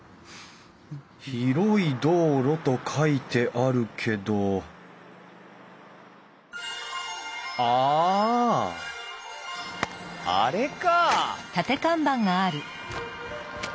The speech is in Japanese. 広い道路と書いてあるけどあああれか！